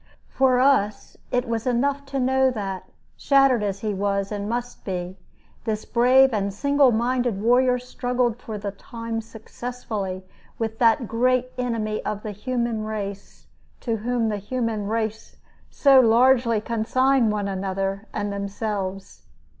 For us it was enough to know that (shattered as he was and must be) this brave and single minded warrior struggled for the time successfully with that great enemy of the human race, to whom the human race so largely consign one another and themselves.